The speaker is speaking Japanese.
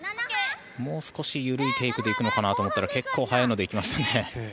もう少し緩いテイクで行くのかなと思ったら速いテイクで行きましたね。